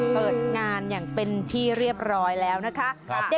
เปิดงานอย่างเป็นที่เรียบร้อยแล้วนะคะ